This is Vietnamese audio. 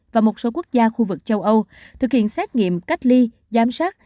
và một số quốc gia khu vực châu âu thực hiện xét nghiệm cách ly giám sát